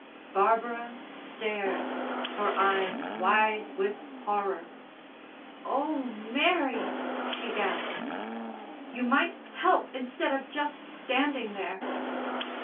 Barbara stared, her eyes wide with horror. "Oh, Mary," she gasped. "You might help instead of just standing there!"